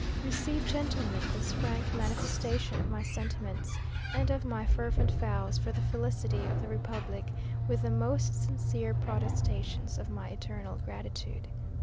Receive, gentlemen, this frank manifestation of my sentiments, and of my fervent vows for the felicity of the republic, with the most sincere protestations of my eternal gratitude."